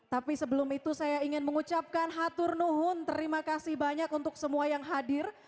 tapi sebelum itu saya ingin mengucapkan hatur nuhun terima kasih banyak untuk semua yang hadir